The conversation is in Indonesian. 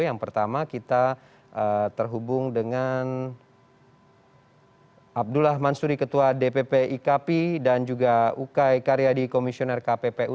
yang pertama kita terhubung dengan abdullah mansuri ketua dpp ikp dan juga ukay karyadi komisioner kppu